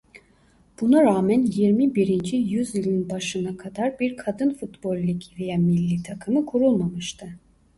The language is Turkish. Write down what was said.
Buna rağmen yirmi birinci yüzyılın başına kadar bir kadın futbol ligi veya millî takımı kurulmamıştı.